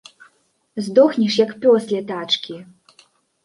Здохнеш, як пёс, ля тачкі!